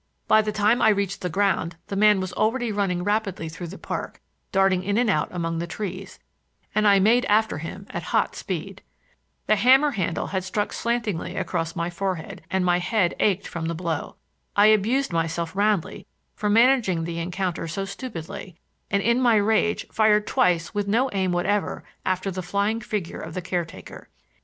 By the time I reached the ground the man was already running rapidly through the park, darting in and out among the trees, and I made after him at hot speed. [Illustration: Like a flash he swung the hammer, and at the same moment I fired.] The hammer handle had struck slantingly across my forehead, and my head ached from the blow. I abused myself roundly for managing the encounter so stupidly, and in my rage fired twice with no aim whatever after the flying figure of the caretaker.